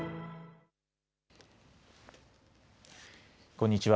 こんにちは。